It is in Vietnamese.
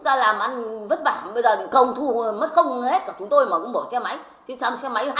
ra làm ăn vất vả bây giờ công thu mất không hết cả chúng tôi mà cũng bỏ xe máy thì xong xe máy hai mươi